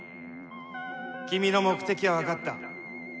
君の目的は分かった。